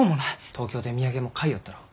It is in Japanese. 東京で土産も買いよったろう？